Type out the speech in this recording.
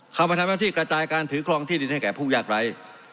มาทำหน้าที่กระจายการถือครองที่ดินให้แก่ผู้ยากไร้